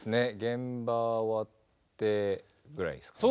現場終わってぐらいですかね。